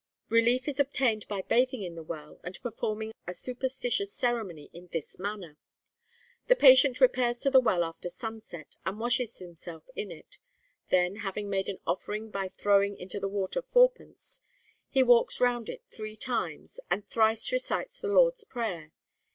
Relief is obtained by bathing in the well, and performing a superstitious ceremony in this manner: The patient repairs to the well after sunset, and washes himself in it; then, having made an offering by throwing into the water fourpence, he walks round it three times, and thrice recites the Lord's Prayer.